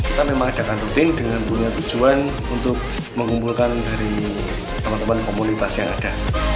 kita memang adakan rutin dengan punya tujuan untuk mengumpulkan dari teman teman komunitas yang ada